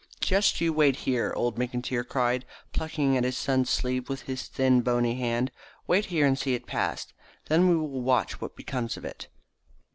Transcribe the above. "Just you wait here," old McIntyre cried, plucking at his son's sleeve with his thin bony hand. "Wait here and see it pass. Then we will watch what becomes of it."